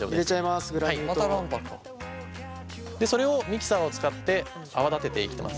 でそれをミキサーを使って泡立てていきます。